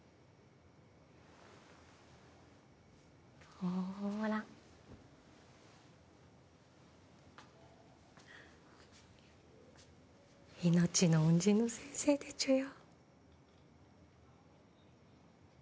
ほーら命の恩人の先生でちゅよ